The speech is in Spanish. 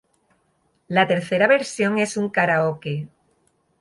La tercera versión es un karaoke.